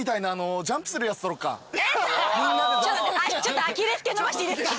ちょっとアキレス腱伸ばしていいですか？